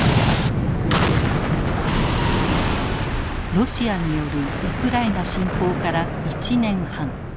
ロシアによるウクライナ侵攻から１年半。